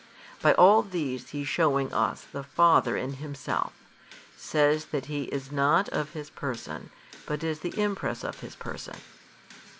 By all these He shewing us the Father in Himself, says that He is not of His Person, but is the Impress of His Person."